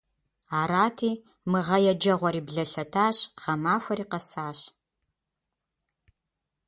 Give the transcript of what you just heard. Арати, мы гъэ еджэгъуэри блэлъэтащ, гъэмахуэри къэсащ.